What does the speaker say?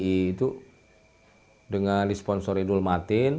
itu dengan disponsor idul matin